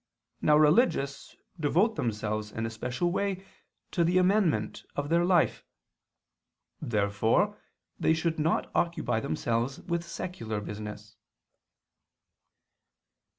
Now religious devote themselves in a special way to the amendment of their life. Therefore they should not occupy themselves with secular business.